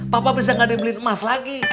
papa bisa gak ada yang beliin emas lagi